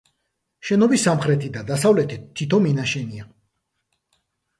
შენობის სამხრეთით და დასავლეთით თითო მინაშენია.